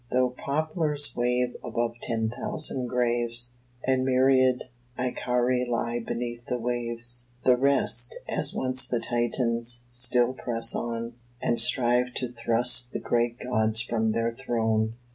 Though poplars wave above ten thousand graves, And myriad Icari lie beneath the waves, The rest, as once the Titans, still press on, And strive to thrust the great gods from their throne."